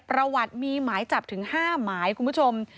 ประวัติมีหมายจับถึง๕หมายคุณผู้ชม